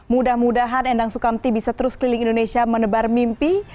mudah mudahan endang sukamti bisa terus keliling indonesia menebar mimpi